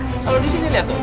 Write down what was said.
kalau disini liat tuh